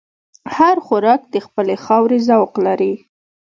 هر خوراک د خپلې خاورې ذوق لري.